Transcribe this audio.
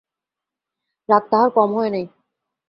রাগ তাহার কম হয় নাই।